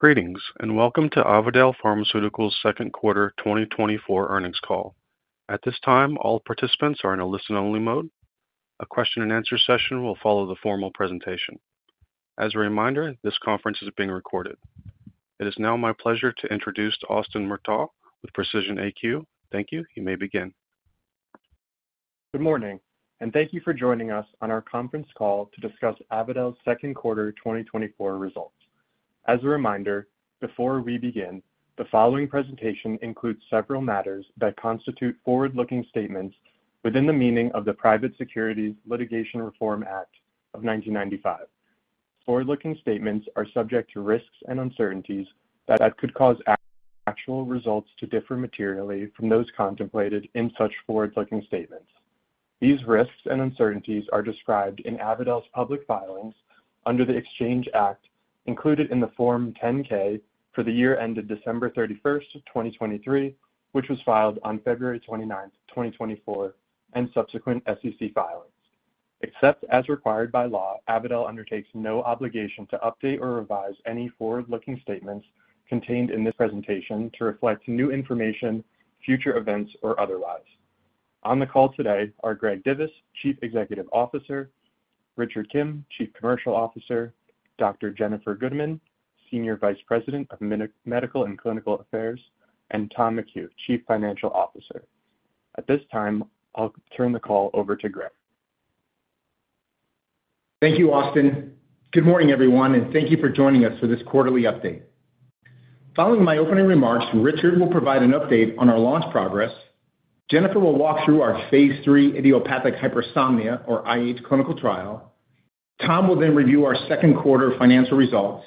Greetings, and welcome to Avadel Pharmaceuticals' Second Quarter 2024 Earnings call. At this time, all participants are in a listen-only mode. A question and answer session will follow the formal presentation. As a reminder, this conference is being recorded. It is now my pleasure to introduce Austin Murtagh with Precision AQ. Thank you. You may begin. Good morning, and thank you for joining us on our conference call to discuss Avadel's Second Quarter 2024 results. As a reminder, before we begin, the following presentation includes several matters that constitute forward-looking statements within the meaning of the Private Securities Litigation Reform Act of 1995. Forward-looking statements are subject to risks and uncertainties that could cause actual results to differ materially from those contemplated in such forward-looking statements. These risks and uncertainties are described in Avadel's public filings under the Exchange Act, included in the Form 10-K for the year ended December 31, 2023, which was filed on February 29, 2024, and subsequent SEC filings. Except as required by law, Avadel undertakes no obligation to update or revise any forward-looking statements contained in this presentation to reflect new information, future events, or otherwise. On the call today are Greg Divis, Chief Executive Officer; Richard Kim, Chief Commercial Officer; Dr. Jennifer Gudeman, Senior Vice President of Medical and Clinical Affairs; and Tom McHugh, Chief Financial Officer. At this time, I'll turn the call over to Greg. Thank you, Austin. Good morning, everyone, and thank you for joining us for this quarterly update. Following my opening remarks, Richard will provide an update on our launch progress. Jennifer will walk through our phase III idiopathic hypersomnia, or IH, clinical trial. Tom will then review our second quarter financial results,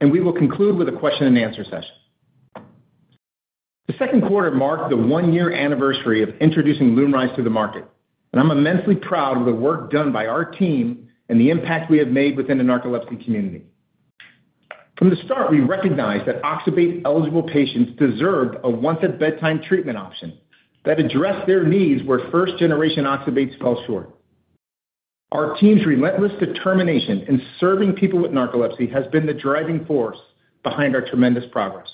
and we will conclude with a question and answer session. The second quarter marked the one-year anniversary of introducing LUMRYZ to the market, and I'm immensely proud of the work done by our team and the impact we have made within the narcolepsy community. From the start, we recognized that oxybate-eligible patients deserved a once-at-bedtime treatment option that addressed their needs where first-generation oxybates fell short. Our team's relentless determination in serving people with narcolepsy has been the driving force behind our tremendous progress.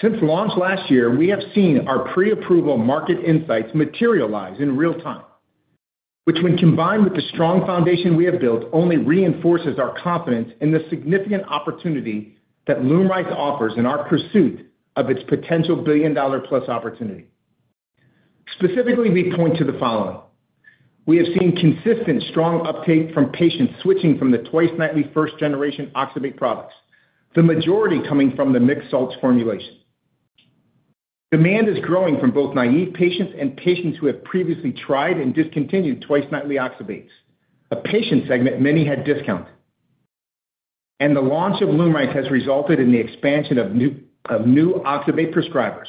Since launch last year, we have seen our pre-approval market insights materialize in real time, which, when combined with the strong foundation we have built, only reinforces our confidence in the significant opportunity that LUMRYZ offers in our pursuit of its potential billion-dollar-plus opportunity. Specifically, we point to the following: We have seen consistent, strong uptake from patients switching from the twice-nightly first-generation oxybate products, the majority coming from the mixed salts formulation. Demand is growing from both naive patients and patients who have previously tried and discontinued twice-nightly oxybates, a patient segment many had discounted. And the launch of LUMRYZ has resulted in the expansion of new oxybate prescribers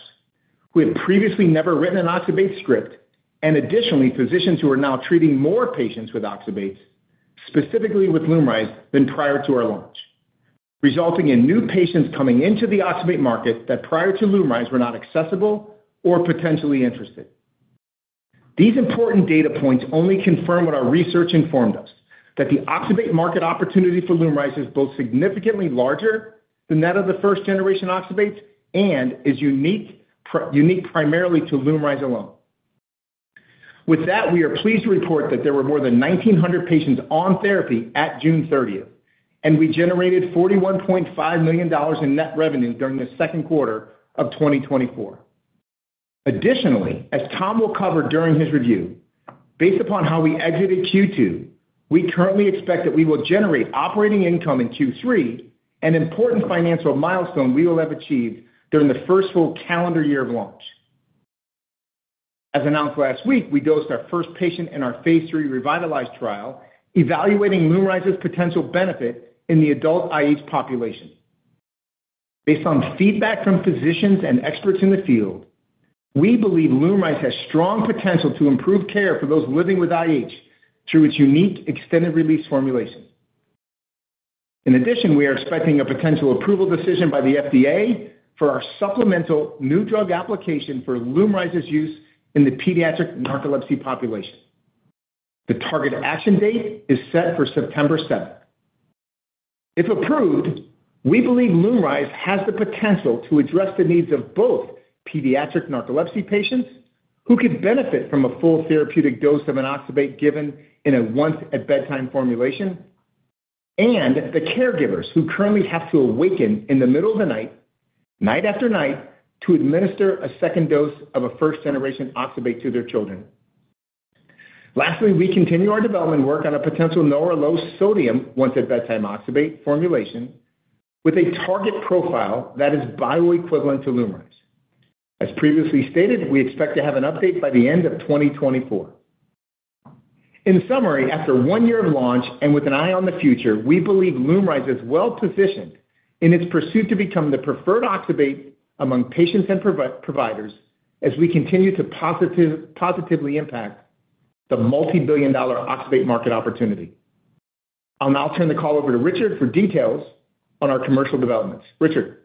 who had previously never written an oxybate script, and additionally, physicians who are now treating more patients with oxybates, specifically with LUMRYZ, than prior to our launch, resulting in new patients coming into the oxybate market that, prior to LUMRYZ, were not accessible or potentially interested. These important data points only confirm what our research informed us, that the oxybate market opportunity for LUMRYZ is both significantly larger than that of the first-generation oxybates and is unique primarily to LUMRYZ alone. With that, we are pleased to report that there were more than 1,900 patients on therapy at June 30th, and we generated $41.5 million in net revenue during the second quarter of 2024. Additionally, as Tom will cover during his review, based upon how we exited Q2, we currently expect that we will generate operating income in Q3, an important financial milestone we will have achieved during the first full calendar year of launch. As announced last week, we dosed our first patient in our phase III REVITALIZE trial, evaluating LUMRYZ's potential benefit in the adult IH population. Based on feedback from physicians and experts in the field, we believe LUMRYZ has strong potential to improve care for those living with IH through its unique extended-release formulation. In addition, we are expecting a potential approval decision by the FDA for our supplemental New Drug Application for LUMRYZ's use in the pediatric narcolepsy population. The target action date is set for September 7th. If approved, we believe LUMRYZ has the potential to address the needs of both pediatric narcolepsy patients who could benefit from a full therapeutic dose of an oxybate given in a once-at-bedtime formulation, and the caregivers who currently have to awaken in the middle of the night, night after night, to administer a second dose of a first-generation oxybate to their children. Lastly, we continue our development work on a potential no or low sodium once-at-bedtime oxybate formulation with a target profile that is bioequivalent to LUMRYZ. As previously stated, we expect to have an update by the end of 2024. In summary, after one year of launch and with an eye on the future, we believe LUMRYZ is well-positioned in its pursuit to become the preferred oxybate among patients and providers as we continue to positively impact the multibillion-dollar oxybate market opportunity. I'll now turn the call over to Richard for details on our commercial developments. Richard?...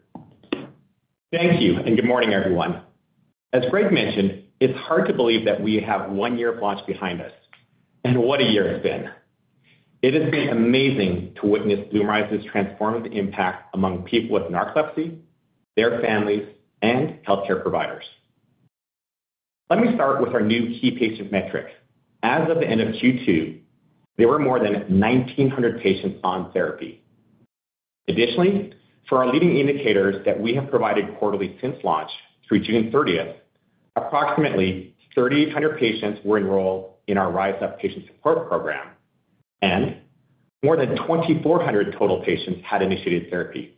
Thank you, and good morning, everyone. As Greg mentioned, it's hard to believe that we have one year of launch behind us, and what a year it's been! It has been amazing to witness LUMRYZ's transformative impact among people with narcolepsy, their families, and healthcare providers. Let me start with our new key patient metrics. As of the end of Q2, there were more than 1,900 patients on therapy. Additionally, for our leading indicators that we have provided quarterly since launch through June 30th, approximately 3,800 patients were enrolled in our RISE UP patient support program, and more than 2,400 total patients had initiated therapy.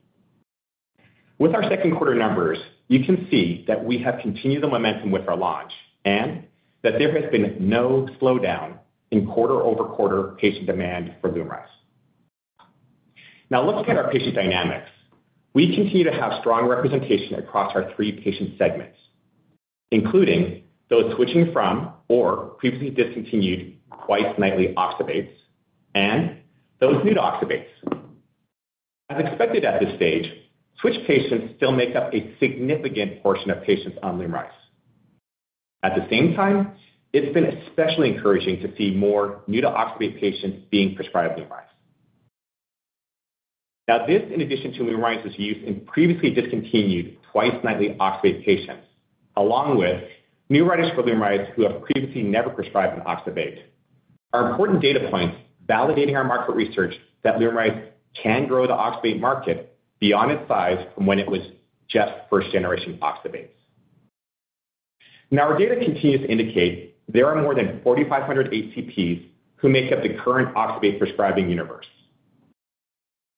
With our second quarter numbers, you can see that we have continued the momentum with our launch, and that there has been no slowdown in quarter-over-quarter patient demand for LUMRYZ. Now, let's look at our patient dynamics. We continue to have strong representation across our three patient segments, including those switching from or previously discontinued twice-nightly oxybates, and those new to oxybates. As expected at this stage, switch patients still make up a significant portion of patients on LUMRYZ. At the same time, it's been especially encouraging to see more new-to-oxybate patients being prescribed LUMRYZ. Now, this, in addition to LUMRYZ's use in previously discontinued twice-nightly oxybate patients, along with new writers for LUMRYZ who have previously never prescribed an oxybate, are important data points validating our market research that LUMRYZ can grow the oxybate market beyond its size from when it was just first-generation oxybates. Now, our data continues to indicate there are more than 4,500 HCPs who make up the current oxybate prescribing universe.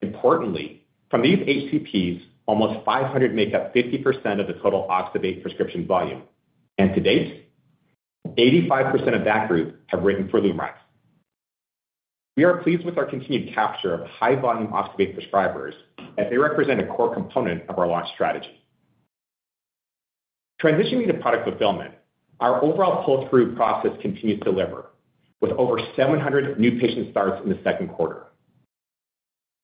Importantly, from these HCPs, almost 500 make up 50% of the total oxybate prescription volume, and to date, 85% of that group have written for LUMRYZ. We are pleased with our continued capture of high-volume oxybate prescribers, as they represent a core component of our launch strategy. Transitioning to product fulfillment, our overall pull-through process continues to deliver, with over 700 new patient starts in the second quarter.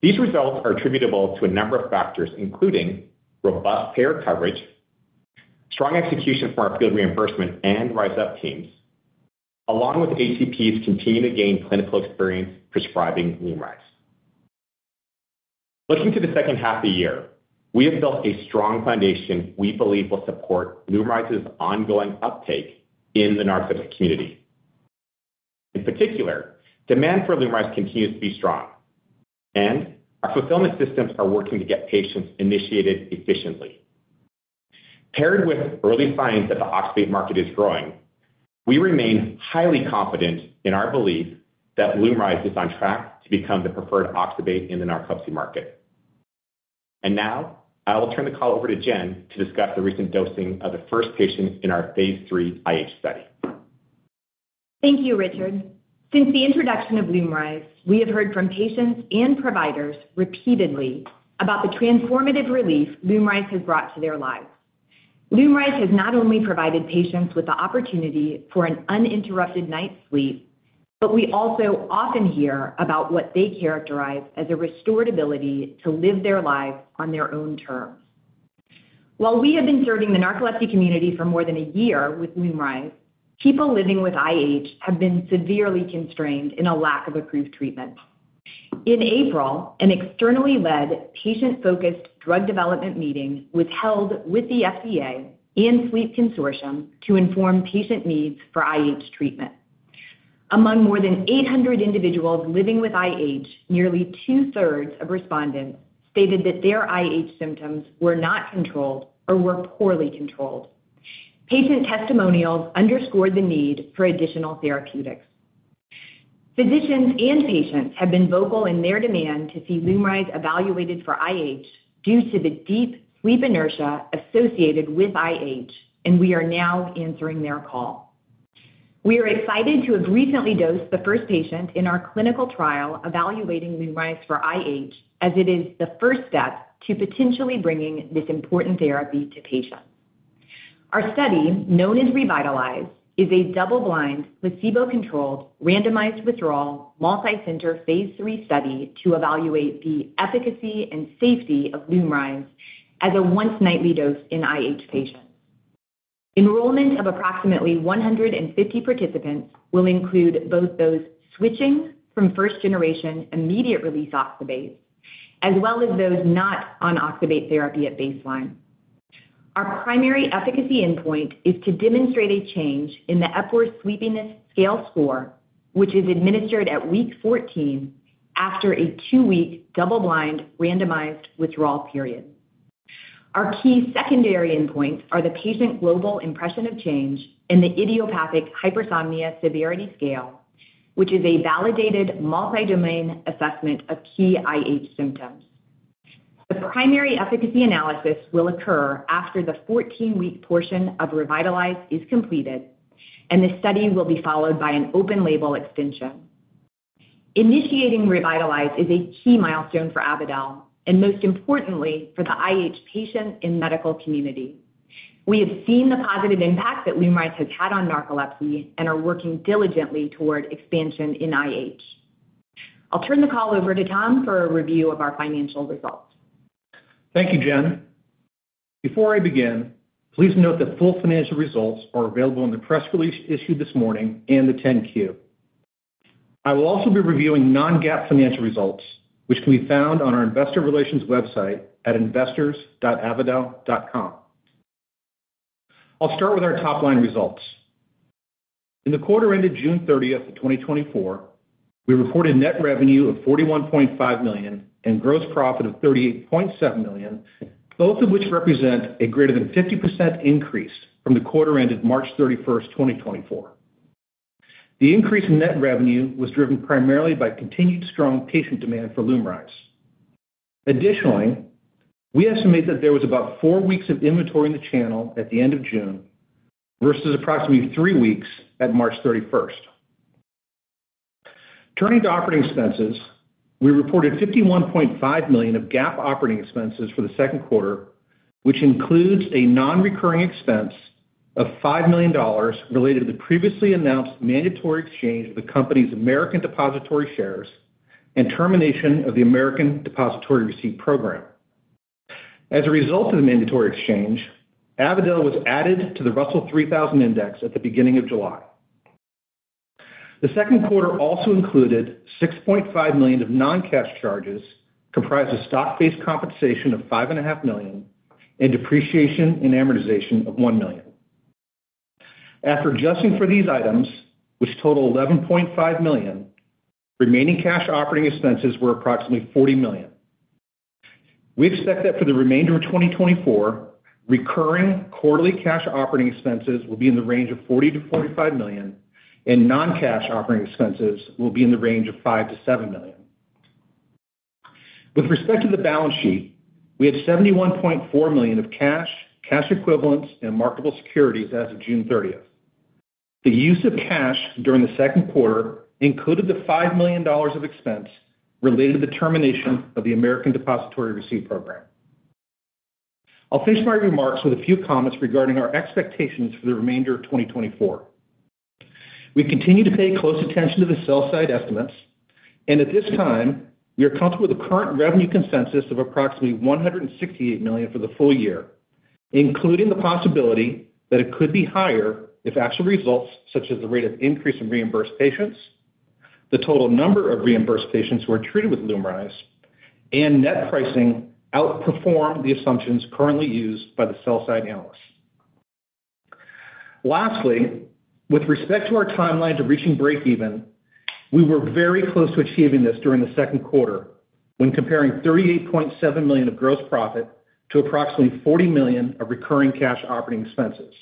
These results are attributable to a number of factors, including robust payer coverage, strong execution from our field reimbursement and RISE UP teams, along with HCPs continuing to gain clinical experience prescribing LUMRYZ. Looking to the second half of the year, we have built a strong foundation we believe will support LUMRYZ's ongoing uptake in the narcolepsy community. In particular, demand for LUMRYZ continues to be strong, and our fulfillment systems are working to get patients initiated efficiently. Paired with early signs that the oxybate market is growing, we remain highly confident in our belief that LUMRYZ is on track to become the preferred oxybate in the narcolepsy market. And now, I will turn the call over to Jen to discuss the recent dosing of the first patient in our Phase III IH study. Thank you, Richard. Since the introduction of LUMRYZ, we have heard from patients and providers repeatedly about the transformative relief LUMRYZ has brought to their lives. LUMRYZ has not only provided patients with the opportunity for an uninterrupted night's sleep, but we also often hear about what they characterize as a restored ability to live their lives on their own terms. While we have been serving the narcolepsy community for more than a year with LUMRYZ, people living with IH have been severely constrained in a lack of approved treatment. In April, an externally led, patient-focused drug development meeting was held with the FDA and Sleep Consortium to inform patient needs for IH treatment. Among more than 800 individuals living with IH, nearly two-thirds of respondents stated that their IH symptoms were not controlled or were poorly controlled. Patient testimonials underscored the need for additional therapeutics. Physicians and patients have been vocal in their demand to see LUMRYZ evaluated for IH due to the deep sleep inertia associated with IH, and we are now answering their call. We are excited to have recently dosed the first patient in our clinical trial evaluating LUMRYZ for IH, as it is the first step to potentially bringing this important therapy to patients. Our study, known as REVITALIZE, is a double-blind, placebo-controlled, randomized withdrawal, multi-center phase III study to evaluate the efficacy and safety of LUMRYZ as a once-nightly dose in IH patients. Enrollment of approximately 150 participants will include both those switching from first generation immediate-release oxybates, as well as those not on oxybate therapy at baseline. Our primary efficacy endpoint is to demonstrate a change in the Epworth Sleepiness Scale score, which is administered at week 14 after a two week double-blind, randomized withdrawal period. Our key secondary endpoints are the Patient Global Impression of Change and the Idiopathic Hypersomnia Severity Scale, which is a validated multi-domain assessment of key IH symptoms. The primary efficacy analysis will occur after the 14-week portion of REVITALIZE is completed, and the study will be followed by an open-label extension. Initiating REVITALIZE is a key milestone for Avadel and, most importantly, for the IH patient and medical community. We have seen the positive impact that LUMRYZ has had on narcolepsy and are working diligently toward expansion in IH.... I'll turn the call over to Tom for a review of our financial results. Thank you, Jen. Before I begin, please note that full financial results are available in the press release issued this morning and the 10-Q. I will also be reviewing non-GAAP financial results, which can be found on our investor relations website at investors.avadel.com. I'll start with our top-line results. In the quarter ended June 30, 2024, we reported net revenue of $41.5 million and gross profit of $38.7 million, both of which represent a greater than 50% increase from the quarter ended March 31, 2024. The increase in net revenue was driven primarily by continued strong patient demand for LUMRYZ. Additionally, we estimate that there was about four weeks of inventory in the channel at the end of June, versus approximately three weeks at March 31. Turning to operating expenses, we reported $51.5 million of GAAP operating expenses for the second quarter, which includes a nonrecurring expense of $5 million related to the previously announced mandatory exchange of the company's American Depositary Shares and termination of the American Depositary Receipt program. As a result of the mandatory exchange, Avadel was added to the Russell 3000 Index at the beginning of July. The second quarter also included $6.5 million of non-cash charges, comprised of stock-based compensation of $5.5 million and depreciation and amortization of $1 million. After adjusting for these items, which total $11.5 million, remaining cash operating expenses were approximately $40 million. We expect that for the remainder of 2024, recurring quarterly cash operating expenses will be in the range of $40 million-$45 million, and non-cash operating expenses will be in the range of $5 million-$7 million. With respect to the balance sheet, we have $71.4 million of cash, cash equivalents, and marketable securities as of June 30. The use of cash during the second quarter included the $5 million of expense related to the termination of the American Depositary Receipt program. I'll finish my remarks with a few comments regarding our expectations for the remainder of 2024. We continue to pay close attention to the sell-side estimates, and at this time, we are comfortable with the current revenue consensus of approximately $168 million for the full year, including the possibility that it could be higher if actual results, such as the rate of increase in reimbursed patients, the total number of reimbursed patients who are treated with LUMRYZ, and net pricing outperform the assumptions currently used by the sell-side analysts. Lastly, with respect to our timeline to reaching breakeven, we were very close to achieving this during the second quarter when comparing $38.7 million of gross profit to approximately $40 million of recurring cash operating expenses,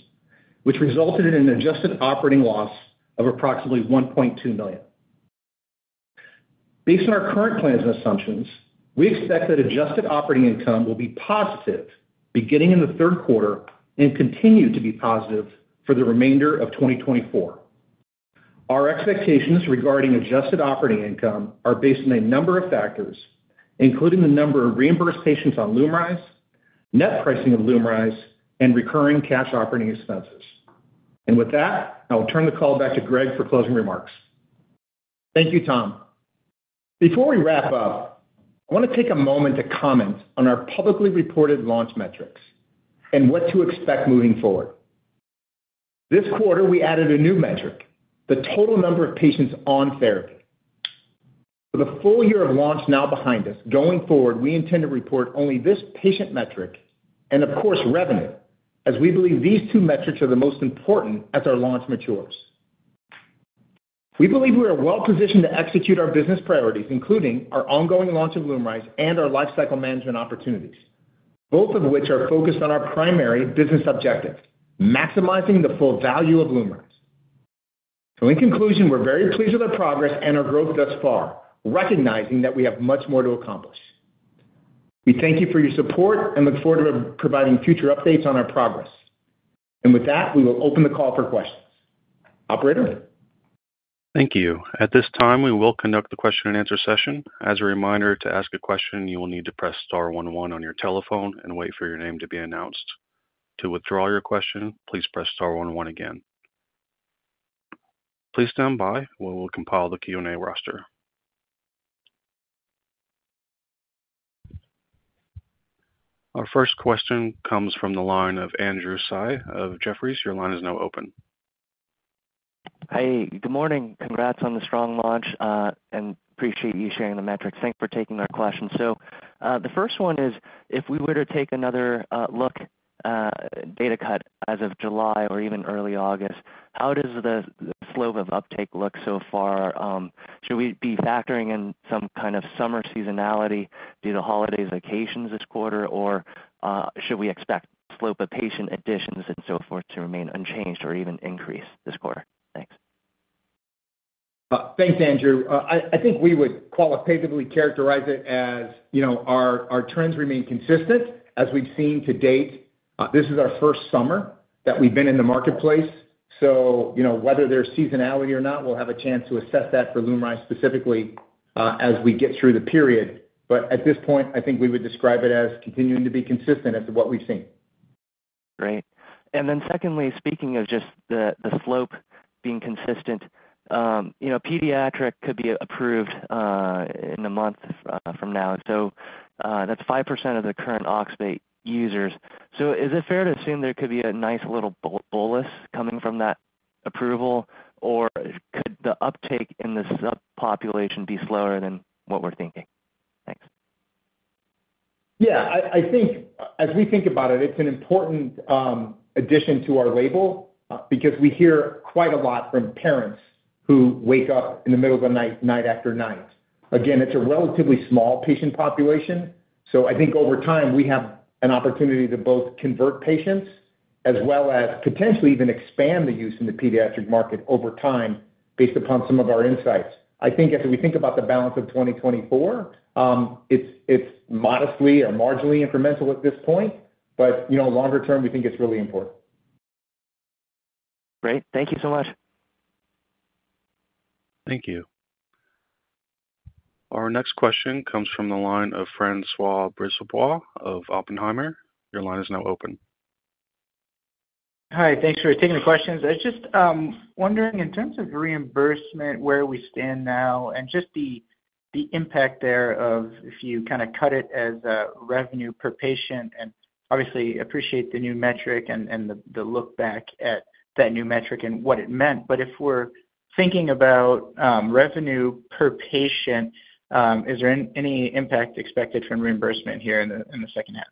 which resulted in an adjusted operating loss of approximately $1.2 million. Based on our current plans and assumptions, we expect that adjusted operating income will be positive beginning in the third quarter and continue to be positive for the remainder of 2024. Our expectations regarding adjusted operating income are based on a number of factors, including the number of reimbursed patients on LUMRYZ, net pricing of LUMRYZ, and recurring cash operating expenses. With that, I will turn the call back to Greg for closing remarks. Thank you, Tom. Before we wrap up, I want to take a moment to comment on our publicly reported launch metrics and what to expect moving forward. This quarter, we added a new metric, the total number of patients on therapy. With a full year of launch now behind us, going forward, we intend to report only this patient metric and, of course, revenue, as we believe these two metrics are the most important as our launch matures. We believe we are well positioned to execute our business priorities, including our ongoing launch of LUMRYZ and our lifecycle management opportunities, both of which are focused on our primary business objective: maximizing the full value of LUMRYZ. So in conclusion, we're very pleased with our progress and our growth thus far, recognizing that we have much more to accomplish. We thank you for your support and look forward to providing future updates on our progress. And with that, we will open the call for questions. Operator? Thank you. At this time, we will conduct the question-and-answer session. As a reminder, to ask a question, you will need to press star one one on your telephone and wait for your name to be announced. To withdraw your question, please press star one one again. Please stand by while we compile the Q&A roster. Our first question comes from the line of Andrew Tsai of Jefferies. Your line is now open. Hey, good morning. Congrats on the strong launch, and appreciate you sharing the metrics. Thank you for taking our questions. So, the first one is, if we were to take another look, data cut as of July or even early August, how does the slope of uptake look so far? Should we be factoring in some kind of summer seasonality due to holidays, vacations this quarter, or, should we expect slope of patient additions and so forth to remain unchanged or even increase this quarter? Thanks. Thanks, Andrew. I think we would qualitatively characterize it as, you know, our trends remain consistent. As we've seen to date, this is our first summer that we've been in the marketplace, so, you know, whether there's seasonality or not, we'll have a chance to assess that for LUMRYZ specifically, as we get through the period. But at this point, I think we would describe it as continuing to be consistent as to what we've seen.... Great. And then secondly, speaking of just the slope being consistent, you know, pediatric could be approved in a month from now, and so that's 5% of the current oxybate users. So is it fair to assume there could be a nice little bulge coming from that approval? Or could the uptake in the subpopulation be slower than what we're thinking? Thanks. Yeah, I, I think as we think about it, it's an important addition to our label, because we hear quite a lot from parents who wake up in the middle of the night, night after night. Again, it's a relatively small patient population, so I think over time, we have an opportunity to both convert patients as well as potentially even expand the use in the pediatric market over time, based upon some of our insights. I think as we think about the balance of 2024, it's modestly or marginally incremental at this point, but, you know, longer term, we think it's really important. Great. Thank you so much. Thank you. Our next question comes from the line of François Brisebois of Oppenheimer. Your line is now open. Hi, thanks for taking the questions. I was just wondering, in terms of reimbursement, where we stand now and just the impact thereof if you kind of cut it as a revenue per patient, and obviously appreciate the new metric and the look back at that new metric and what it meant. But if we're thinking about revenue per patient, is there any impact expected from reimbursement here in the second half?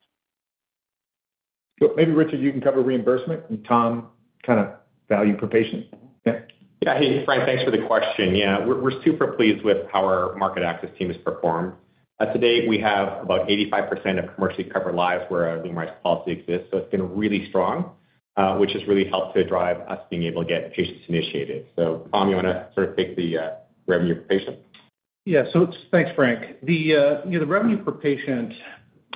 Maybe, Richard, you can cover reimbursement, and Tom, kind of value per patient. Yeah. Yeah. Hey, Frank, thanks for the question. Yeah, we're, we're super pleased with how our market access team has performed. As of today, we have about 85% of commercially covered lives where LUMRYZ policy exists, so it's been really strong, which has really helped to drive us being able to get patients initiated. So Tom, you want to sort of take the revenue per patient? Yeah. So thanks, Frank. The, you know, the revenue per patient,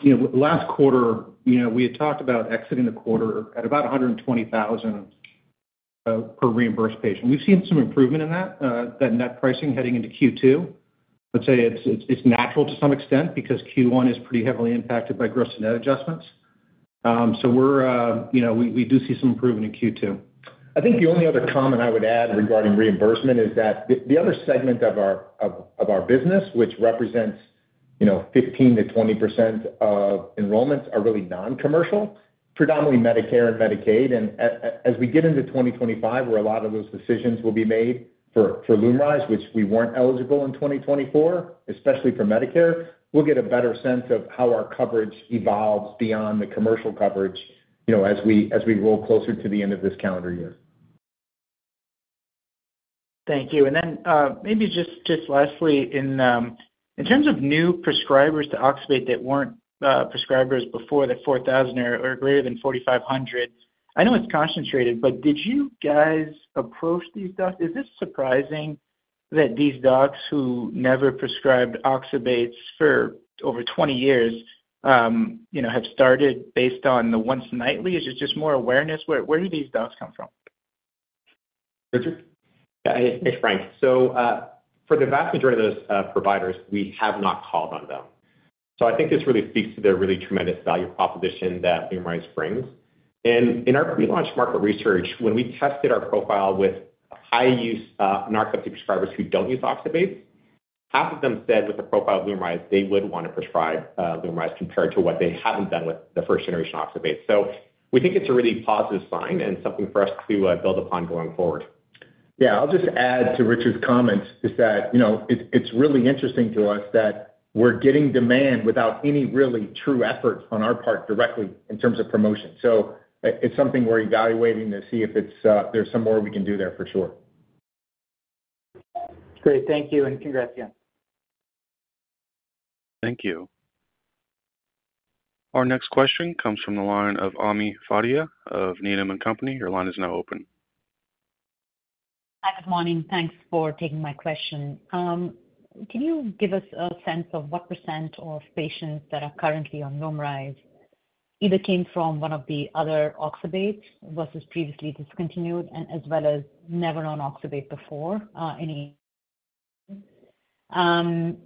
you know, last quarter, you know, we had talked about exiting the quarter at about $120,000 per reimbursed patient. We've seen some improvement in that, that net pricing heading into Q2. Let's say it's natural to some extent because Q1 is pretty heavily impacted by gross to net adjustments. So we're, you know, we do see some improvement in Q2. I think the only other comment I would add regarding reimbursement is that the other segment of our business, which represents, you know, 15%-20% of enrollments, are really non-commercial, predominantly Medicare and Medicaid. As we get into 2025, where a lot of those decisions will be made for LUMRYZ, which we weren't eligible in 2024, especially for Medicare, we'll get a better sense of how our coverage evolves beyond the commercial coverage, you know, as we roll closer to the end of this calendar year. Thank you. And then, maybe just lastly, in terms of new prescribers to oxybate that weren't prescribers before, the 4,000 or greater than 4,500, I know it's concentrated, but did you guys approach these docs? Is this surprising that these docs who never prescribed oxybates for over 20 years, you know, have started based on the once nightly? Is it just more awareness? Where do these docs come from? Richard? Yeah. Hey, Frank. So, for the vast majority of those providers, we have not called on them. So I think this really speaks to the really tremendous value proposition that LUMRYZ brings. And in our pre-launch market research, when we tested our profile with high use narcolepsy prescribers who don't use oxybate, half of them said with the profile of LUMRYZ, they would want to prescribe LUMRYZ compared to what they haven't done with the first-generation oxybate. So we think it's a really positive sign and something for us to build upon going forward. Yeah, I'll just add to Richard's comments, is that, you know, it's really interesting to us that we're getting demand without any really true effort on our part directly in terms of promotion. So it's something we're evaluating to see if it's, there's some more we can do there for sure. Great. Thank you, and congrats again. Thank you. Our next question comes from the line of Ami Fadia of Needham & Company. Your line is now open. Hi, good morning. Thanks for taking my question. Can you give us a sense of what percent of patients that are currently on LUMRYZ either came from one of the other oxybate versus previously discontinued and as well as never on oxybate before, any? And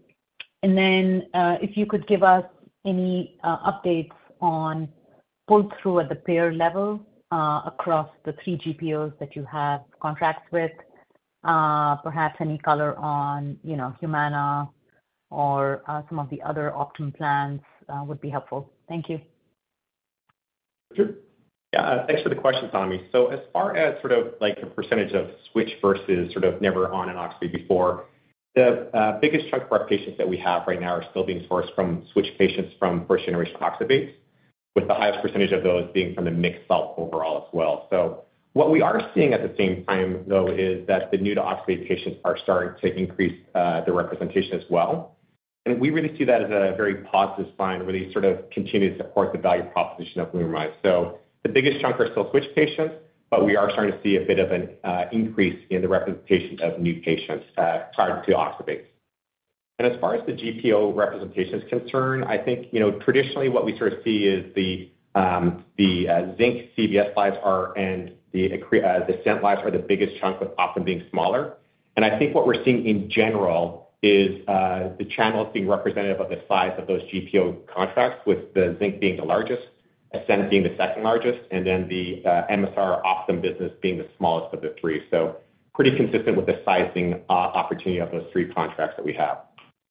then, if you could give us any updates on pull-through at the payer level, across the three GPOs that you have contracts with, perhaps any color on, you know, Humana or, some of the other Optum plans, would be helpful. Thank you. Sure. Yeah, thanks for the questions, Ami. So as far as sort of like a percentage of switch versus sort of never on an oxybate before, the biggest chunk of our patients that we have right now are still being sourced from switch patients from first-generation oxybates, with the highest percentage of those being from the mixed salt overall as well. So what we are seeing at the same time, though, is that the new to oxybate patients are starting to increase their representation as well. And we really see that as a very positive sign, really sort of continue to support the value proposition of LUMRYZ. So the biggest chunk are still switch patients, but we are starting to see a bit of an increase in the representation of new patients prior to oxybate. As far as the GPO representation is concerned, I think, you know, traditionally what we sort of see is the Zinc CVS GPOs are, and the Ascent GPOs are the biggest chunk, with Optum being smaller. I think what we're seeing in general is the channels being representative of the size of those GPO contracts, with the Zinc being the largest, Ascent being the second largest, and then the Emisar Optum business being the smallest of the three. Pretty consistent with the sizing opportunity of those three contracts that we have.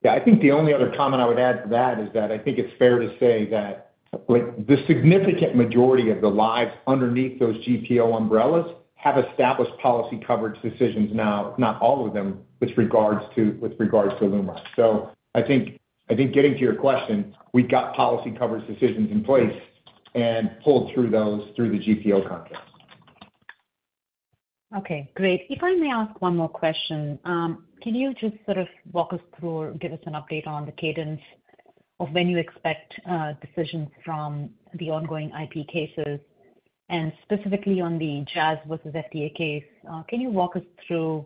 Yeah, I think the only other comment I would add to that is that I think it's fair to say that, like, the significant majority of the lives underneath those GPO umbrellas have established policy coverage decisions now, not all of them, with regards to, with regards to LUMRYZ. So I think, I think getting to your question, we've got policy coverage decisions in place and pulled through those through the GPO contracts. Okay, great. If I may ask one more question. Can you just sort of walk us through or give us an update on the cadence of when you expect decisions from the ongoing IP cases? And specifically on the Jazz versus FDA case, can you walk us through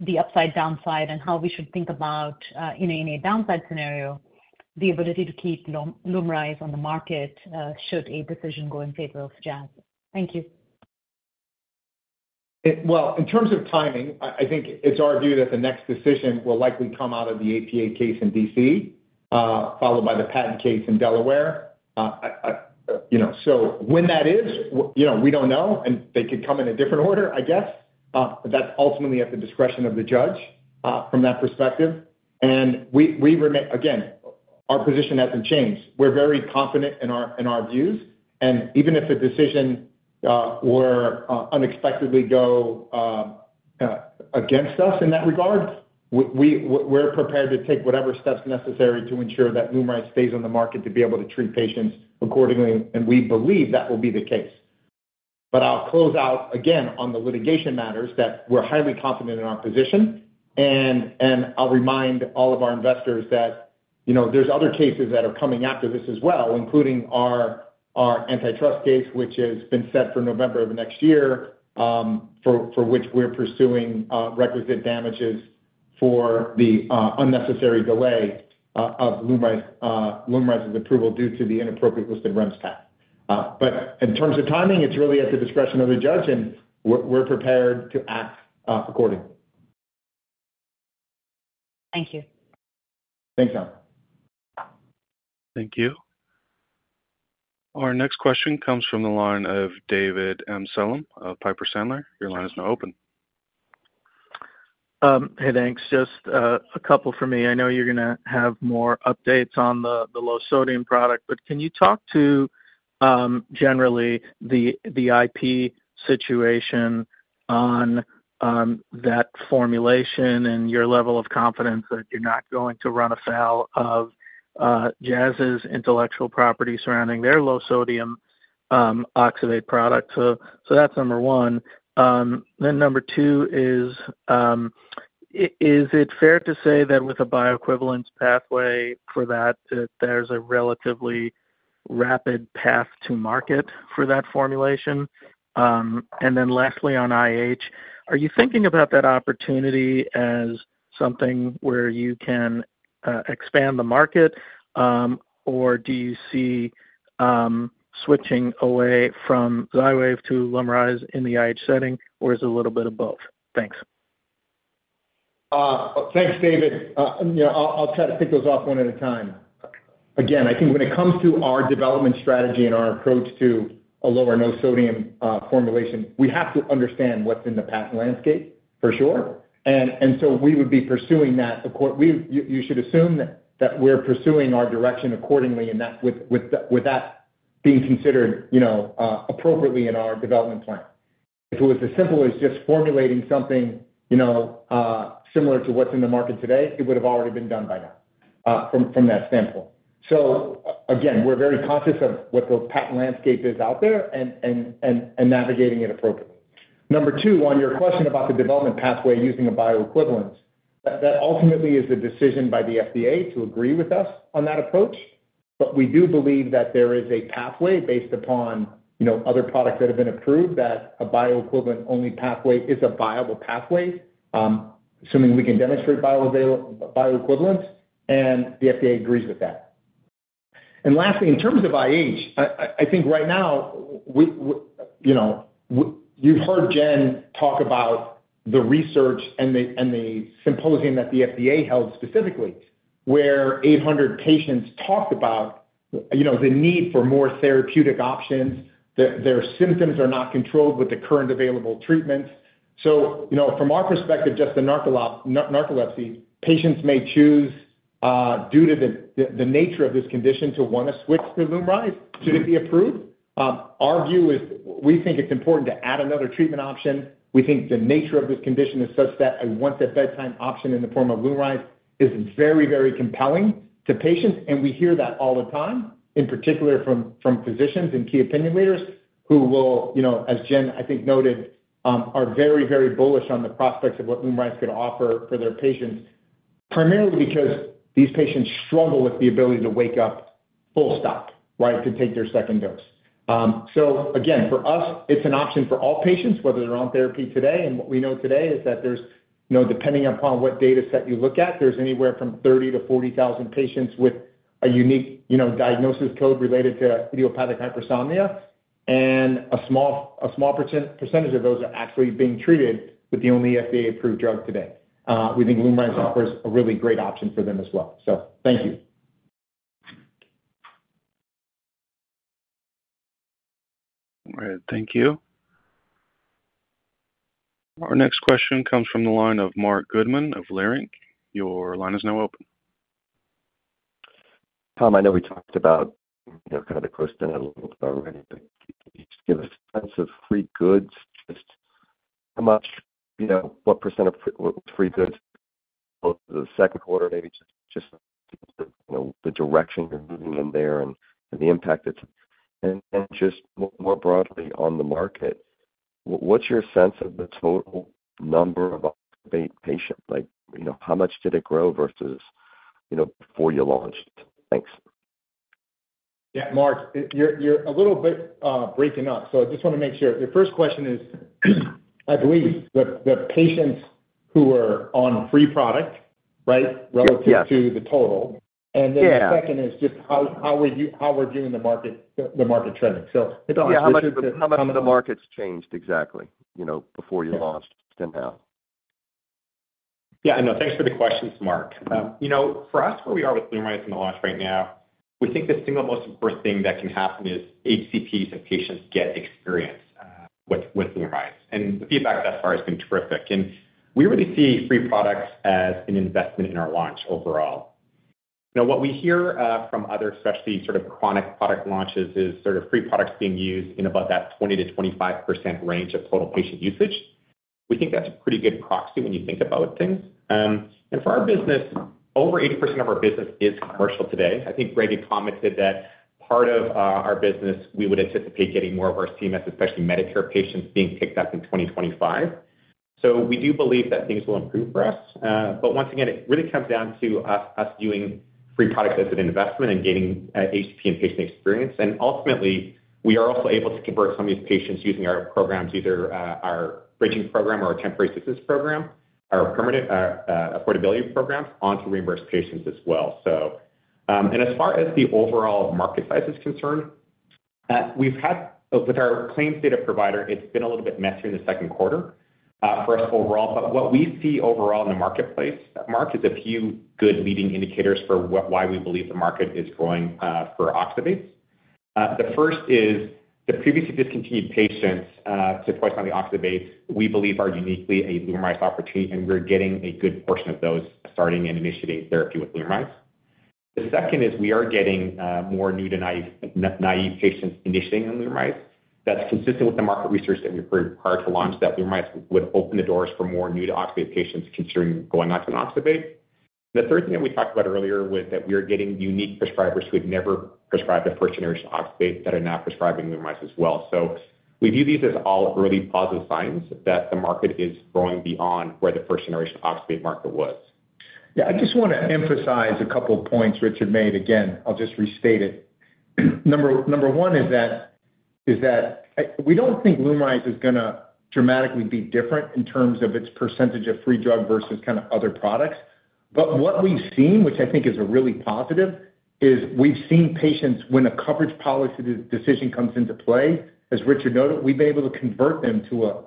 the upside, downside, and how we should think about, in a downside scenario, the ability to keep LUMRYZ on the market, should a decision go in favor of Jazz? Thank you. Well, in terms of timing, I think it's our view that the next decision will likely come out of the APA case in D.C., followed by the patent case in Delaware. You know, so when that is, you know, we don't know, and they could come in a different order, I guess. That's ultimately at the discretion of the judge, from that perspective, and we remain. Again, our position hasn't changed. We're very confident in our views, and even if the decision were unexpectedly go against us in that regard, we're prepared to take whatever steps necessary to ensure that LUMRYZ stays on the market to be able to treat patients accordingly, and we believe that will be the case. But I'll close out again on the litigation matters that we're highly confident in our position, and I'll remind all of our investors that, you know, there's other cases that are coming after this as well, including our antitrust case, which has been set for November of next year, for which we're pursuing requisite damages for the unnecessary delay of LUMRYZ, LUMRYZ's approval due to the inappropriate listed REMS tab. But in terms of timing, it's really at the discretion of the judge, and we're prepared to act accordingly. Thank you. Thanks, Anna. Thank you. Our next question comes from the line of David Amsellem of Piper Sandler. Your line is now open. Hey, thanks. Just, a couple for me. I know you're gonna have more updates on the low sodium product, but can you talk to generally the IP situation on that formulation and your level of confidence that you're not going to run afoul of Jazz's intellectual property surrounding their low sodium oxybate product? So, that's number one. Then number two is, is it fair to say that with a bioequivalence pathway for that, that there's a relatively rapid path to market for that formulation? And then lastly, on IH, are you thinking about that opportunity as something where you can expand the market, or do you see switching away from Xywav to LUMRYZ in the IH setting, or is it a little bit of both? Thanks. Thanks, David. You know, I'll try to pick those off one at a time. Again, I think when it comes to our development strategy and our approach to a low sodium formulation, we have to understand what's in the patent landscape, for sure. And so we would be pursuing that accordingly. You should assume that we're pursuing our direction accordingly, and that, with that being considered, you know, appropriately in our development plan. If it was as simple as just formulating something, you know, similar to what's in the market today, it would've already been done by now, from that standpoint. So again, we're very conscious of what the patent landscape is out there and navigating it appropriately. Number two, on your question about the development pathway using a bioequivalence, that ultimately is the decision by the FDA to agree with us on that approach. But we do believe that there is a pathway based upon, you know, other products that have been approved, that a bioequivalent-only pathway is a viable pathway, assuming we can demonstrate bioequivalence, and the FDA agrees with that. And lastly, in terms of IH, I think right now, you know, you've heard Jen talk about the research and the symposium that the FDA held specifically, where 800 patients talked about, you know, the need for more therapeutic options. Their symptoms are not controlled with the current available treatments. So, you know, from our perspective, just the narcolepsy patients may choose due to the nature of this condition to want to switch to LUMRYZ, should it be approved. Our view is we think it's important to add another treatment option. We think the nature of this condition is such that a once-a-bedtime option in the form of LUMRYZ is very, very compelling to patients, and we hear that all the time, in particular from physicians and key opinion leaders who will, you know, as Jen, I think, noted, are very, very bullish on the prospects of what LUMRYZ could offer for their patients. Primarily because these patients struggle with the ability to wake up full stop, right? To take their second dose. So again, for us, it's an option for all patients, whether they're on therapy today. What we know today is that there's, you know, depending upon what data set you look at, there's anywhere from 30,000-40,000 patients with a unique, you know, diagnosis code related to idiopathic hypersomnia... and a small percentage of those are actually being treated with the only FDA-approved drug today. We think LUMRYZ offers a really great option for them as well. So thank you. All right, thank you. Our next question comes from the line of Marc Goodman of Leerink. Your line is now open. Tom, I know we talked about, you know, kind of the gross-to-net a little bit already, but can you just give us a sense of free goods? Just how much, you know, what percent of free goods over the second quarter, maybe just, just, you know, the direction you're moving in there and, and the impact it's... And just more broadly on the market, what's your sense of the total number of patients? Like, you know, how much did it grow versus, you know, before you launched? Thanks. Yeah, Marc, you're a little bit breaking up, so I just wanna make sure. Your first question is, I believe, the patients who are on free product, right? Yes. Relative to the total. Yeah. And then the second is just how we're doing in the market, the market trending. So, Richard- Yeah, how much of the market's changed exactly, you know, before you launched and now? Yeah, I know. Thanks for the questions, Marc. You know, for us, where we are with LUMRYZ in the launch right now, we think the single most important thing that can happen is HCPs and patients get experience, with, with LUMRYZ. And the feedback thus far has been terrific. And we really see free products as an investment in our launch overall. Now, what we hear from other, especially sort of chronic product launches, is sort of free products being used in about that 20-25% range of total patient usage. We think that's a pretty good proxy when you think about things. And for our business, over 80% of our business is commercial today. I think Brady commented that part of our business, we would anticipate getting more of our CMS, especially Medicare patients, being picked up in 2025. So we do believe that things will improve for us. But once again, it really comes down to us viewing free product as an investment and gaining HCP and patient experience. And ultimately, we are also able to convert some of these patients using our programs, either our bridging program or our temporary success program, or permanent affordability programs onto reimbursed patients as well. So, and as far as the overall market size is concerned, we've had. With our claims data provider, it's been a little bit messy in the second quarter for us overall. But what we see overall in the marketplace, Marc, is a few good leading indicators for what why we believe the market is growing for oxybates. The first is the previously discontinued patients to twice on the oxybates; we believe are uniquely a LUMRYZ opportunity, and we're getting a good portion of those starting and initiating therapy with LUMRYZ. The second is we are getting more new-to-naive patients initiating on LUMRYZ. That's consistent with the market research that we approved prior to launch, that LUMRYZ would open the doors for more new-to-oxybate patients considering going on to oxybate. The third thing that we talked about earlier was that we are getting unique prescribers who had never prescribed a first-generation oxybate that are now prescribing LUMRYZ as well. So we view these as all early positive signs that the market is growing beyond where the first-generation oxybate market was. Yeah, I just wanna emphasize a couple of points Richard made. Again, I'll just restate it. Number 1 is that we don't think LUMRYZ is gonna dramatically be different in terms of its percentage of free drug versus kind of other products. But what we've seen, which I think is a really positive, is we've seen patients when a coverage policy decision comes into play, as Richard noted, we've been able to convert them to,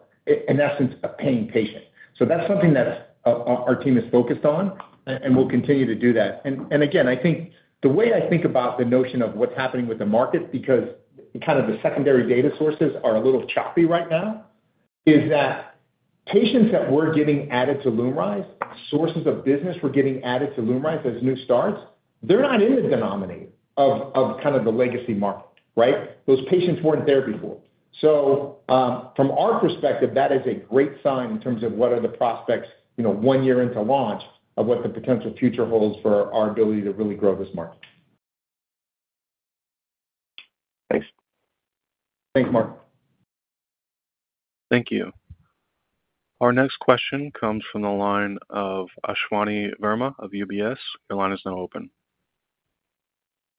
in essence, a paying patient. So that's something that our team is focused on and will continue to do that. And again, I think the way I think about the notion of what's happening with the market, because kind of the secondary data sources are a little choppy right now, is that patients that were getting added to LUMRYZ, sources of business were getting added to LUMRYZ as new starts, they're not in the denominator of kind of the legacy market, right? Those patients weren't there before. So, from our perspective, that is a great sign in terms of what are the prospects, you know, one year into launch, of what the potential future holds for our ability to really grow this market. Thanks. Thanks, Marc. Thank you. Our next question comes from the line of Ashwani Verma of UBS. Your line is now open.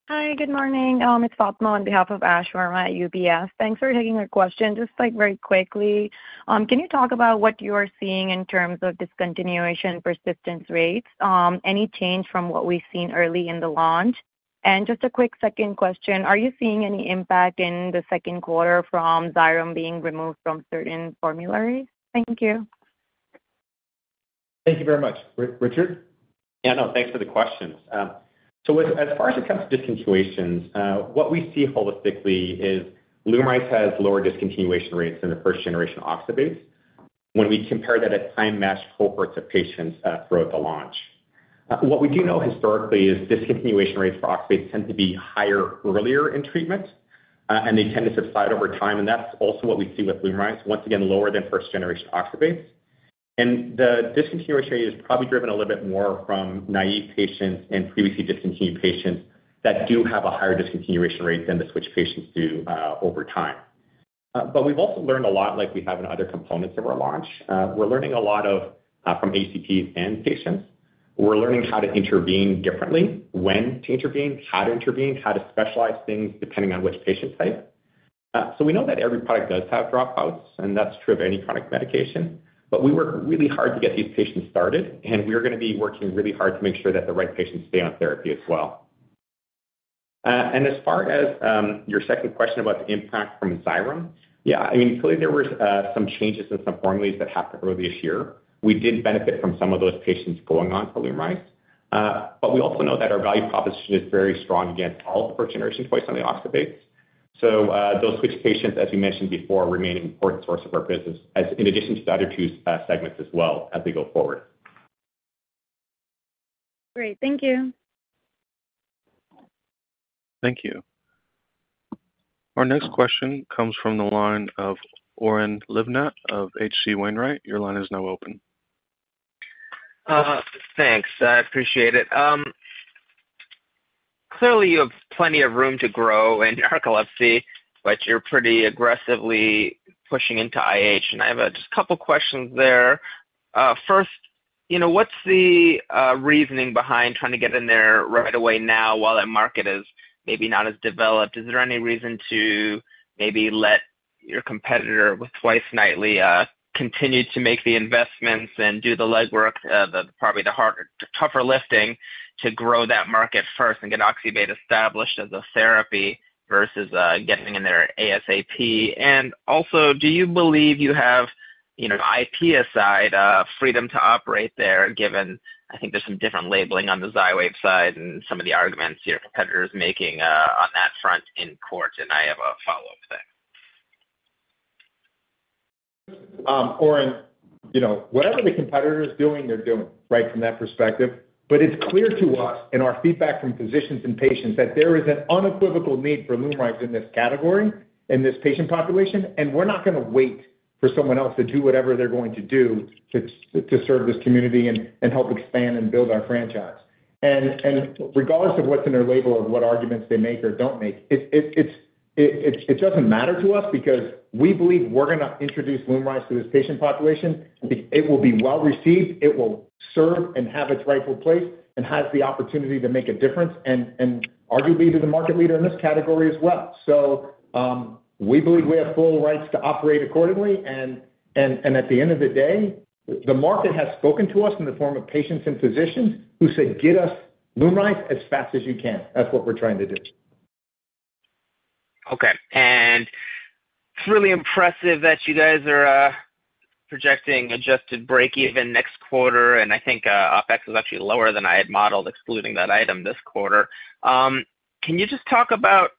Hi, good morning. It's Fatima on behalf of Ash Verma at UBS. Thanks for taking our question. Just like very quickly, can you talk about what you are seeing in terms of discontinuation persistence rates? Any change from what we've seen early in the launch? And just a quick second question, are you seeing any impact in the second quarter from Xyrem being removed from certain formularies? Thank you. Thank you very much. Richard? Yeah, no, thanks for the questions. So as far as it comes to discontinuations, what we see holistically is LUMRYZ has lower discontinuation rates than the first generation oxybates when we compare that at time-matched cohorts of patients throughout the launch. What we do know historically is discontinuation rates for oxybates tend to be higher earlier in treatment, and they tend to subside over time, and that's also what we see with LUMRYZ. Once again, lower than first generation oxybates. And the discontinuation rate is probably driven a little bit more from naive patients and previously discontinued patients that do have a higher discontinuation rate than the switch patients do over time. But we've also learned a lot like we have in other components of our launch. We're learning a lot from HCPs and patients. We're learning how to intervene differently, when to intervene, how to intervene, how to specialize things, depending on which patient type. So we know that every product does have dropouts, and that's true of any chronic medication.... But we work really hard to get these patients started, and we are going to be working really hard to make sure that the right patients stay on therapy as well. And as far as your second question about the impact from Xyrem, yeah, I mean, clearly there were some changes in some formularies that happened earlier this year. We did benefit from some of those patients going on LUMRYZ. But we also know that our value proposition is very strong against all first-generation twice on the oxybates. So, those switch patients, as you mentioned before, remain an important source of our business, as in addition to the other two segments as well as we go forward. Great. Thank you. Thank you. Our next question comes from the line of Oren Livnat of H.C. Wainwright. Your line is now open. Thanks. I appreciate it. Clearly, you have plenty of room to grow in narcolepsy, but you're pretty aggressively pushing into IH, and I have just a couple questions there. First, you know, what's the reasoning behind trying to get in there right away now, while that market is maybe not as developed? Is there any reason to maybe let your competitor with twice-nightly continue to make the investments and do the legwork, probably the harder, tougher lifting to grow that market first and get oxybate established as a therapy versus getting in there ASAP? And also, do you believe you have, you know, IP aside, freedom to operate there, given I think there's some different labeling on the Xywav side and some of the arguments your competitor is making on that front in court? And I have a follow-up there. Oren, you know, whatever the competitor is doing, they're doing, right? From that perspective. But it's clear to us in our feedback from physicians and patients that there is an unequivocal need for LUMRYZ in this category, in this patient population, and we're not going to wait for someone else to do whatever they're going to do to serve this community and help expand and build our franchise. And regardless of what's in their label or what arguments they make or don't make, it's. It doesn't matter to us because we believe we're going to introduce LUMRYZ to this patient population. It will be well received, it will serve and have its rightful place, and has the opportunity to make a difference and arguably, be the market leader in this category as well. So, we believe we have full rights to operate accordingly, and at the end of the day, the market has spoken to us in the form of patients and physicians who said, "Get us LUMRYZ as fast as you can." That's what we're trying to do. Okay. It's really impressive that you guys are projecting adjusted break even next quarter, and I think OpEx is actually lower than I had modeled, excluding that item this quarter. Can you just talk about,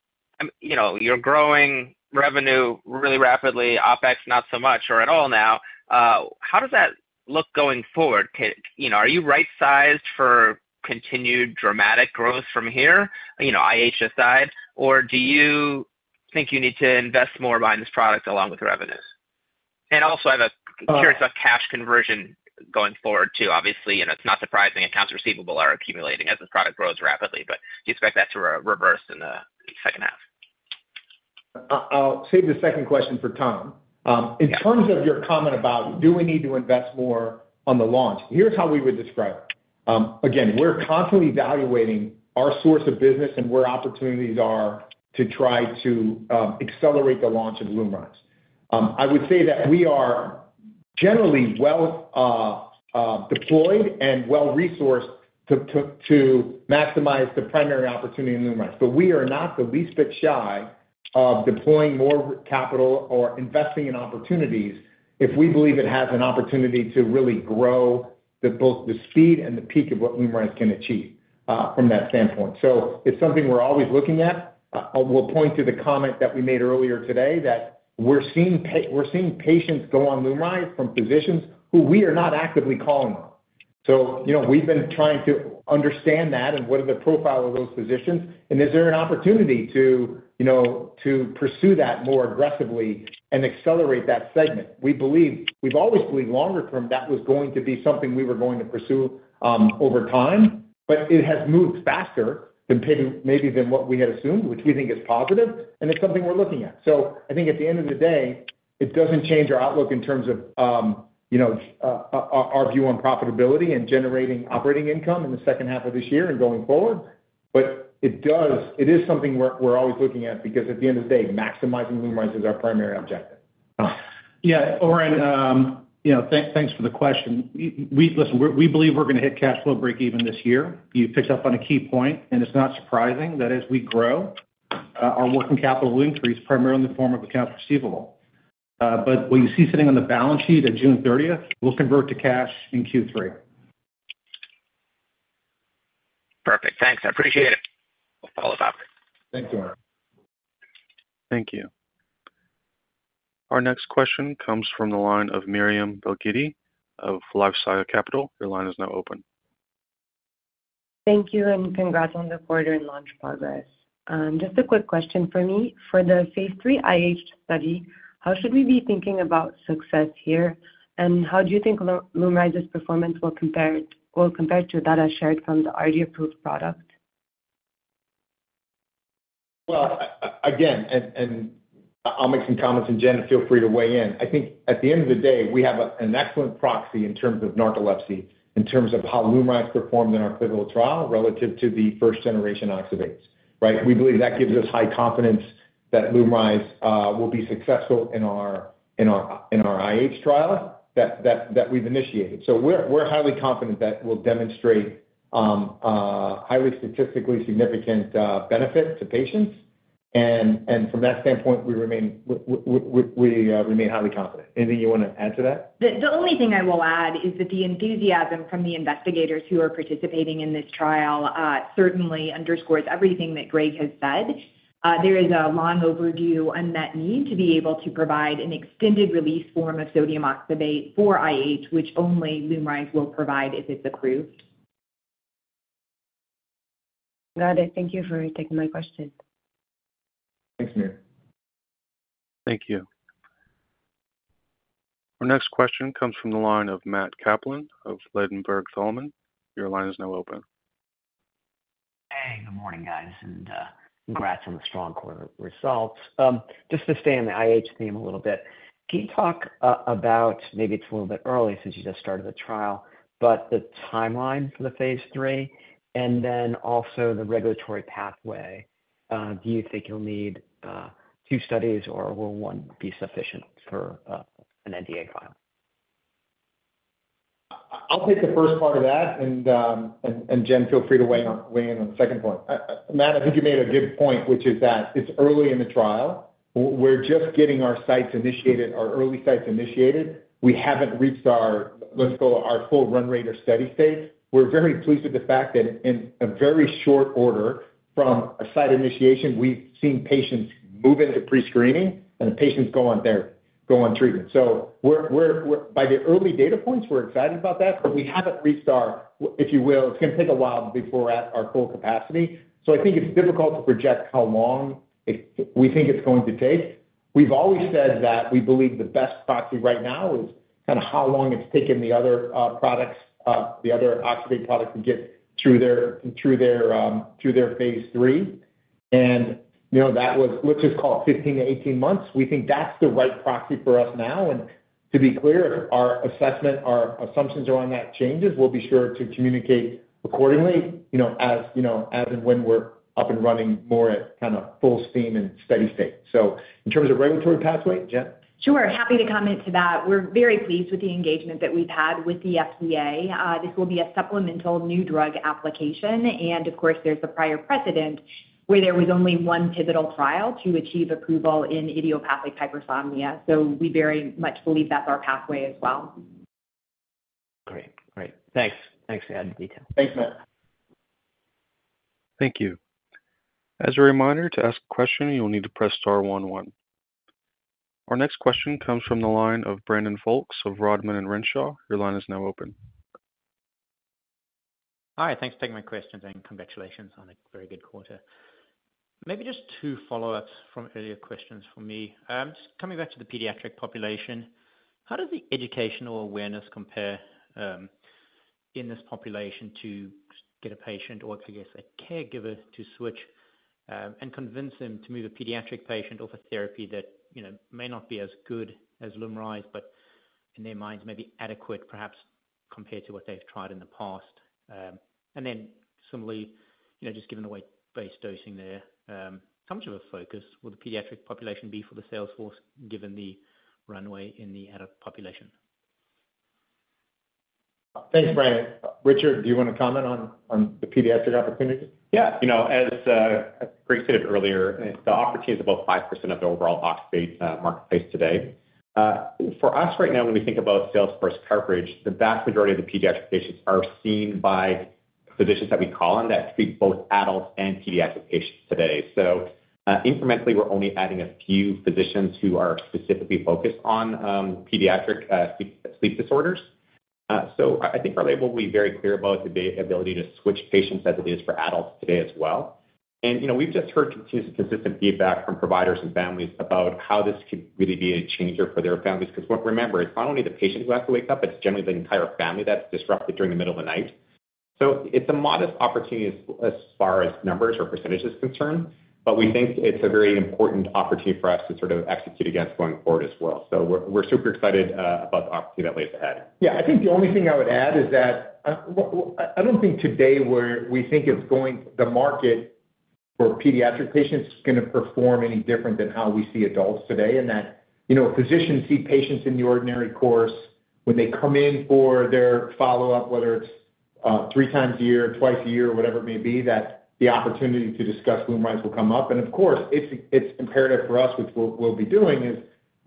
you know, you're growing revenue really rapidly, OpEx, not so much or at all now. How does that look going forward? You know, are you right-sized for continued dramatic growth from here, you know, IH aside, or do you think you need to invest more behind this product along with revenues? And also, I'm curious about cash conversion going forward, too. Obviously, you know, it's not surprising accounts receivable are accumulating as this product grows rapidly, but do you expect that to reverse in the second half? I'll save the second question for Tom. In terms of your comment about, do we need to invest more on the launch, here's how we would describe it. Again, we're constantly evaluating our source of business and where opportunities are to try to accelerate the launch of LUMRYZ. I would say that we are generally well deployed and well-resourced to maximize the primary opportunity in LUMRYZ, but we are not the least bit shy of deploying more capital or investing in opportunities if we believe it has an opportunity to really grow both the speed and the peak of what LUMRYZ can achieve, from that standpoint. So it's something we're always looking at. I will point to the comment that we made earlier today, that we're seeing patients go on LUMRYZ from physicians who we are not actively calling on. So, you know, we've been trying to understand that and what is the profile of those physicians, and is there an opportunity to, you know, to pursue that more aggressively and accelerate that segment? We believe. We've always believed longer term, that was going to be something we were going to pursue over time, but it has moved faster than maybe than what we had assumed, which we think is positive, and it's something we're looking at. So I think at the end of the day, it doesn't change our outlook in terms of, you know, our view on profitability and generating operating income in the second half of this year and going forward. But it does. It is something we're, we're always looking at, because at the end of the day, maximizing LUMRYZ is our primary objective. Yeah, Oren, you know, thanks, thanks for the question. Listen, we, we believe we're going to hit cash flow break even this year. You picked up on a key point, and it's not surprising that as we grow, our working capital will increase primarily in the form of accounts receivable. But what you see sitting on the balance sheet at June 30th will convert to cash in Q3. Perfect. Thanks, I appreciate it. We'll follow up. Thanks, Oren. Thank you. Our next question comes from the line of Myriam Belghiti of LifeSci Capital. Your line is now open. Thank you, and congrats on the quarter and launch progress. Just a quick question for me. For the phase III IH study, how should we be thinking about success here? And how do you think LUMRYZ's performance will compare to data shared from the already approved product? Well, again, I'll make some comments, and Jennifer, feel free to weigh in. I think at the end of the day, we have an excellent proxy in terms of narcolepsy, in terms of how LUMRYZ performed in our clinical trial relative to the first-generation oxybates, right? We believe that gives us high confidence that LUMRYZ will be successful in our IH trial that we've initiated. So we're highly confident that we'll demonstrate highly statistically significant benefit to patients. And from that standpoint, we remain highly confident. Anything you wanna add to that? The only thing I will add is that the enthusiasm from the investigators who are participating in this trial certainly underscores everything that Greg has said. There is a long overdue unmet need to be able to provide an extended release form of sodium oxybate for IH, which only LUMRYZ will provide if it's approved. Got it. Thank you for taking my question. Thanks, Mia. Thank you. Our next question comes from the line of Matt Kaplan of Ladenburg Thalmann. Your line is now open. Hey, good morning, guys, and congrats on the strong quarter results. Just to stay on the IH theme a little bit, can you talk about, maybe it's a little bit early since you just started the trial, but the timeline for the phase III and then also the regulatory pathway, do you think you'll need two studies, or will one be sufficient for an NDA file? I'll take the first part of that, and Jen, feel free to weigh in on the second point. Matt, I think you made a good point, which is that it's early in the trial. We're just getting our sites initiated, our early sites initiated. We haven't reached our, let's call it, our full run rate or steady state. We're very pleased with the fact that in a very short order from a site initiation, we've seen patients move into pre-screening, and the patients go on treatment. So by the early data points, we're excited about that, but we haven't reached our, if you will, it's gonna take a while before we're at our full capacity. So I think it's difficult to project how long it, we think it's going to take. We've always said that we believe the best proxy right now is kind of how long it's taken the other products, the other oxybate products to get through their, through their, through their phase III. You know, that was, let's just call it 15-18 months. We think that's the right proxy for us now, and to be clear, if our assessment, our assumptions around that changes, we'll be sure to communicate accordingly, you know, as, you know, as and when we're up and running more at kinda full steam and steady state. So in terms of regulatory pathway, Jen? Sure, happy to comment to that. We're very pleased with the engagement that we've had with the FDA. This will be a Supplemental New Drug Application, and of course, there's the prior precedent where there was only one pivotal trial to achieve approval in idiopathic hypersomnia. So we very much believe that's our pathway as well. Great. Great. Thanks. Thanks for adding the detail. Thanks, Matt. Thank you. As a reminder, to ask a question, you will need to press star one one. Our next question comes from the line of Brandon Folkes of Rodman & Renshaw. Your line is now open. Hi, thanks for taking my questions, and congratulations on a very good quarter. Maybe just two follow-ups from earlier questions for me. Just coming back to the pediatric population, how does the educational awareness compare, in this population to get a patient or I guess, a caregiver to switch, and convince them to move a pediatric patient off a therapy that, you know, may not be as good as LUMRYZ, but in their minds, may be adequate, perhaps, compared to what they've tried in the past? And then similarly, you know, just given the weight-based dosing there, how much of a focus will the pediatric population be for the sales force, given the runway in the adult population? Thanks, Brandon. Richard, do you wanna comment on the pediatric opportunity? Yeah, you know, as, as Greg stated earlier, the opportunity is about 5% of the overall oxybate marketplace today. For us right now, when we think about sales force coverage, the vast majority of the pediatric patients are seen by physicians that we call on that treat both adult and pediatric patients today. So, incrementally, we're only adding a few physicians who are specifically focused on pediatric sleep disorders. So, I think we're able to be very clear about the ability to switch patients as it is for adults today as well. You know, we've just heard consistent feedback from providers and families about how this could really be a changer for their families, 'cause when, remember, it's not only the patient who have to wake up, it's generally the entire family that's disrupted during the middle of the night. So it's a modest opportunity as, as far as numbers or percentages are concerned, but we think it's a very important opportunity for us to sort of execute against going forward as well. So we're, we're super excited about the opportunity that lies ahead. Yeah, I think the only thing I would add is that, I don't think today we're, we think it's going, the market for pediatric patients is gonna perform any different than how we see adults today. In that, you know, physicians see patients in the ordinary course when they come in for their follow-up, whether it's 3x a year, twice a year, or whatever it may be, that the opportunity to discuss LUMRYZ will come up. And of course, it's imperative for us, which we'll be doing, is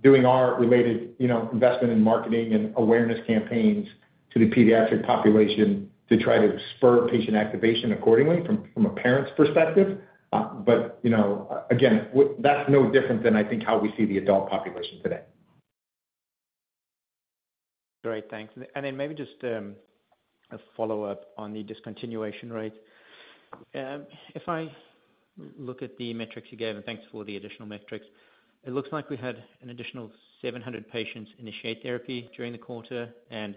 doing our related, you know, investment in marketing and awareness campaigns to the pediatric population to try to spur patient activation accordingly from a parent's perspective. But, you know, again, that's no different than, I think, how we see the adult population today. Great, thanks. Then maybe just a follow-up on the discontinuation rate. If I look at the metrics you gave, and thanks for the additional metrics, it looks like we had an additional 700 patients initiate therapy during the quarter and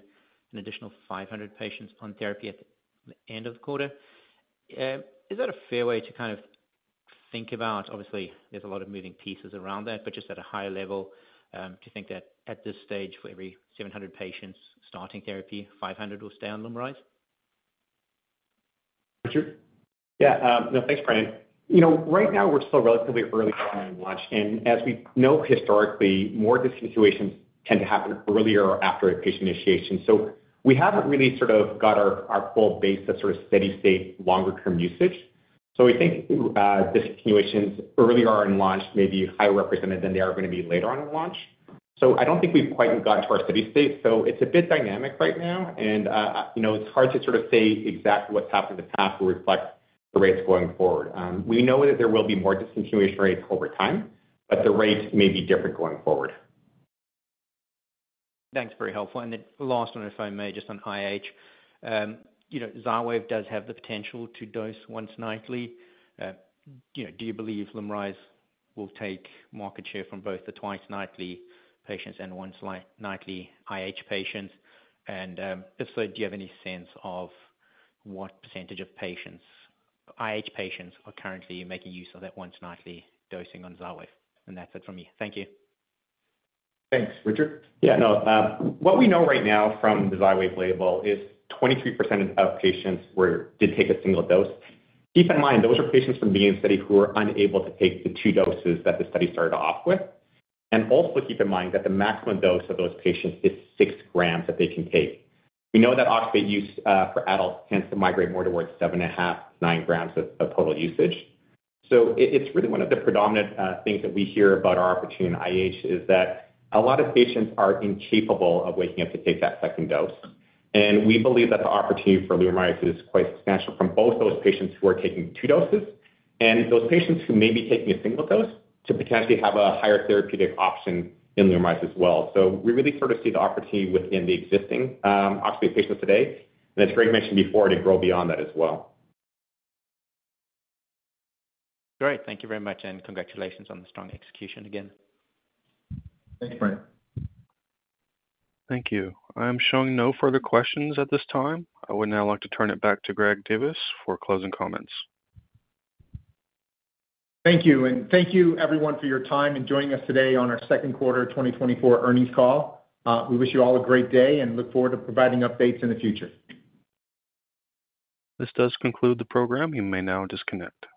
an additional 500 patients on therapy at the end of the quarter. Is that a fair way to kind of think about? Obviously, there's a lot of moving pieces around that, but just at a high level, to think that at this stage, for every 700 patients starting therapy, 500 will stay on LUMRYZ?... Richard? Yeah, no, thanks, Brian. You know, right now we're still relatively early on in launch, and as we know, historically, more discontinuations tend to happen earlier or after a patient initiation. So we haven't really sort of got our, our full base of sort of steady state, longer term usage. So we think, discontinuations earlier in launch may be higher represented than they are gonna be later on in launch. So I don't think we've quite gotten to our steady state, so it's a bit dynamic right now, and, you know, it's hard to sort of say exactly what's happened in the past will reflect the rates going forward. We know that there will be more discontinuation rates over time, but the rates may be different going forward. Thanks, very helpful. And the last one, if I may, just on IH. You know, Xywav does have the potential to dose once nightly. You know, do you believe LUMRYZ will take market share from both the twice nightly patients and once nightly IH patients? And, if so, do you have any sense of what percentage of patients, IH patients are currently making use of that once nightly dosing on Xywav? And that's it from me. Thank you. Thanks. Richard? Yeah, no, what we know right now from the Xywav label is 23% of patients did take a single dose. Keep in mind, those are patients from the main study who were unable to take the two doses that the study started off with. And also keep in mind that the maximum dose of those patients is 6 grams that they can take. We know that oxybate use for adults tends to migrate more towards 7.5, 9 grams of total usage. So it's really one of the predominant things that we hear about our opportunity in IH, is that a lot of patients are incapable of waking up to take that second dose. We believe that the opportunity for LUMRYZ is quite substantial from both those patients who are taking two doses and those patients who may be taking a single dose, to potentially have a higher therapeutic option in LUMRYZ as well. So we really sort of see the opportunity within the existing oxybate patients today, and as Greg mentioned before, to grow beyond that as well. Great. Thank you very much, and congratulations on the strong execution again. Thanks, Brian. Thank you. I am showing no further questions at this time. I would now like to turn it back to Greg Divis for closing comments. Thank you, and thank you everyone for your time and joining us today on our second quarter 2024 earnings call. We wish you all a great day and look forward to providing updates in the future. This does conclude the program. You may now disconnect.